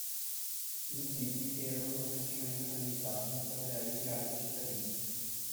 Gli Ittiti si erano progressivamente organizzati in staterelli di raggio cittadino.